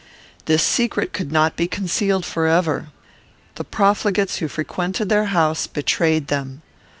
This secret could not be concealed forever. The profligates who frequented their house betrayed them.